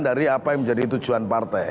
dari apa yang menjadi tujuan partai